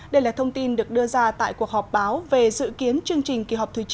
đây là thông tin được đưa ra tại cuộc họp báo về dự kiến chương trình kỳ họp thứ chín